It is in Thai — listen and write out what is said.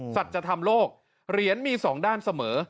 สัจธรรมโลกเหรียญมี๒ด้านเสมอ